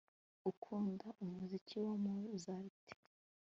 Ukunda umuziki wa Mozart